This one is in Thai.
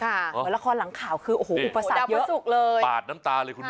เหมือนละครหลังข่าวคือโอ้โหอุปสรรคเยอะเลยปาดน้ำตาเลยคุณแม่